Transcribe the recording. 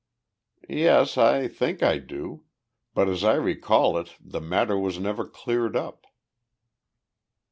"Yes, I think I do. But as I recall it the matter was never cleared up."